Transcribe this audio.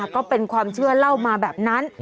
ก็เป็นความเชื่อเล่ามาแบบนั้น